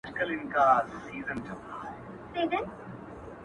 دلته ډېر اغېز لري